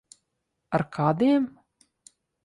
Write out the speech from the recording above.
Ar kādiem?